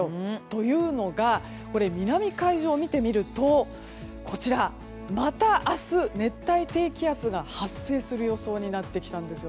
というのが、南海上を見てみるとこちら、また明日熱帯低気圧が発生する予想になってきたんです。